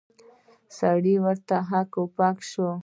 سړی ورته هک پک شي.